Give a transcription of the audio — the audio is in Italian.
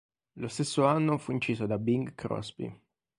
Lo stesso anno fu inciso da Bing Crosby.